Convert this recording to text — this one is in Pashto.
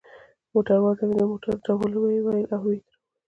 موټروان ته مې د موټر د درولو وویل، او ودروه يې.